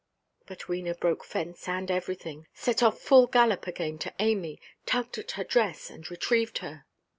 But Wena broke fence and everything, set off full gallop again to Amy, tugged at her dress, and retrieved her.